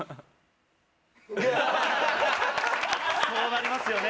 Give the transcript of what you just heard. そうなりますよね。